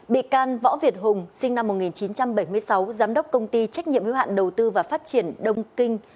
bị can võ việt hùng sinh năm một nghìn chín trăm bảy mươi sáu giám đốc công ty trách nhiệm hữu hạn đầu tư và phát triển đông kinh